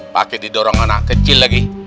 pakai didorong anak kecil lagi